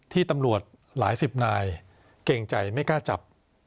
ที่ตำรวจหลายสิบนายเก่งใจไม่กล้าจับ